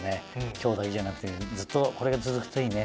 今日だけじゃなくてずっとこれが続くといいね。